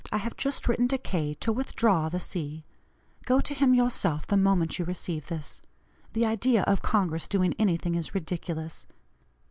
I have just written to K. to withdraw the C. Go to him yourself the moment you receive this. The idea of Congress doing anything is ridiculous.